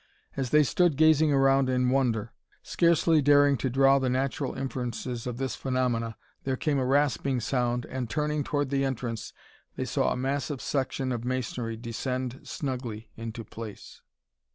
As they stood gazing around in wonder, scarcely daring to draw the natural inferences of this phenomena, there came a rasping sound, and, turning toward the entrance, they saw a massive section of masonry descend snugly into place.